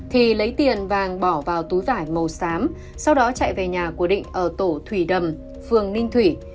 thì lấy tiền vàng bỏ vào túi vải màu xám sau đó chạy về nhà của định ở tổ thủy đầm phường ninh thủy